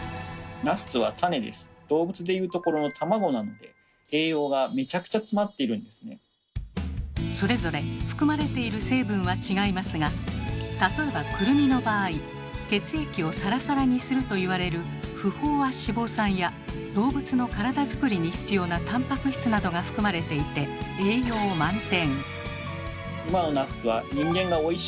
ではそれぞれ含まれている成分は違いますが例えばくるみの場合血液をサラサラにすると言われる不飽和脂肪酸や動物の体づくりに必要なたんぱく質などが含まれていて栄養満点。